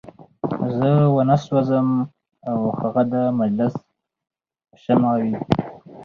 زه وانه سوځم او هغه د مجلس شمع وي.